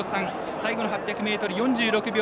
最後の８００ｍ４６秒７。